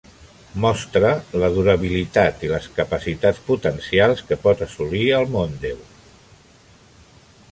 Mostra la durabilitat i les capacitats potencials que pot assolir el Mondeo.